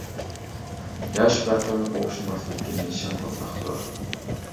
ياش پەرقىمىز ئوخشىماس، لېكىن نىشان ئورتاقتۇر.